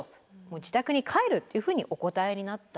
自宅に帰るというふうにお答えになったんですよね。